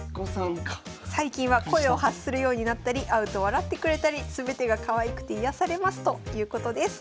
最近は声を発するようになったり会うと笑ってくれたり全てがかわいくて癒やされますということです。